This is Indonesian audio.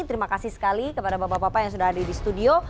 terima kasih sekali kepada bapak bapak yang sudah hadir di studio